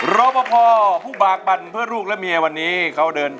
ร้องได้ให้ล้าง